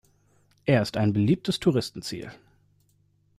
Er ist beliebtes Touristenziel.